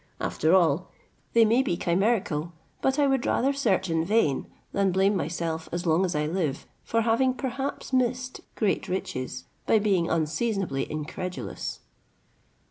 After all, they may be chimerical: but I would rather search in vain, than blame myself as long as I live, for having perhaps missed great riches, by being unseasonably incredulous."